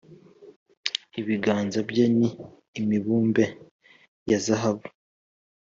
Ibiganza bye ni imibumbe ya zahabu,